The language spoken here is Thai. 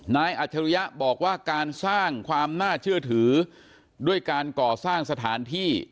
อัจฉริยะบอกว่าการสร้างความน่าเชื่อถือด้วยการก่อสร้างสถานที่